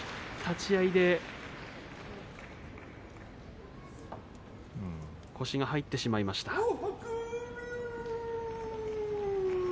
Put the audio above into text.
立ち合いで腰が入ってしまいました。